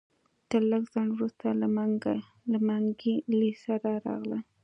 تر لږ ځنډ وروسته له منګلي سره راغله.